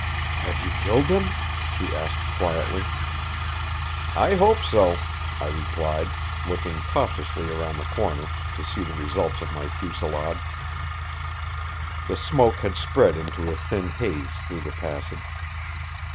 "Have you killed them?" she asked quietly. "I hope so," I replied, looking cautiously around the corner to see the results of my fusillade. The smoke had spread into a thin haze through the passage.